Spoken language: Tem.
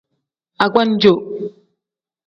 Agbannjo.